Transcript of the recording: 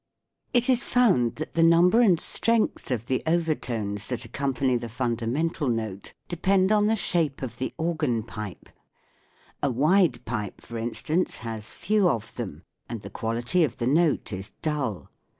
It is found that the number and strength of the overtones that accompany the fundamental note depend on the shape of the organ pipe : a wide pipe, for instance, has few of them, and the ISO THE WORLD OF SOUND quality of the note is dull.